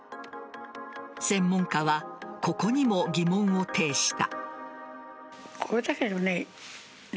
専門家は、ここにも疑問を呈した。